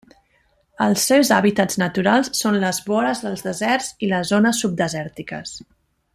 Els seus hàbitats naturals són les vores dels deserts i les zones subdesèrtiques.